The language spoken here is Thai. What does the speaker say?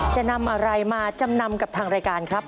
จะนำอะไรมาจำนำกับทางรายการครับ